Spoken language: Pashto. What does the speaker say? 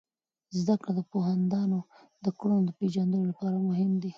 زده کړه د پوهاندانو د کړنو د پیژندلو لپاره مهم دی.